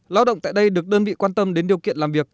lao động tại đây được đơn vị quan tâm đến điều kiện làm việc